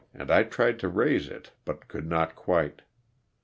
and I tried to raise it but could not quite.